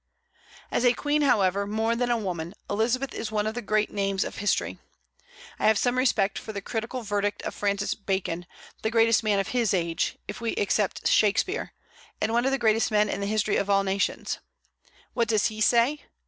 As a queen, however, more than a woman, Elizabeth is one of the great names of history. I have some respect for the critical verdict of Francis Bacon, the greatest man of his age, if we except Shakspeare, and one of the greatest men in the history of all nations. What does he say?